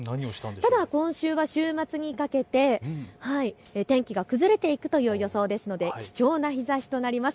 ただ今週は週末にかけて天気が崩れていくという予想ですので貴重な日ざしとなります。